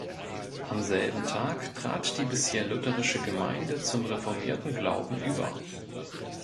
Am selben Tag trat die bisher lutherische Gemeinde zum reformierten Glauben über.